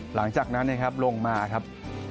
หลังจากนั้นลงมาครับ